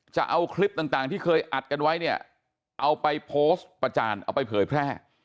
จะเอาคลิปต่างที่เคยอัดกันไว้เนี่ยเอาไปโพสต์ประจานเอาไปเผยแพร่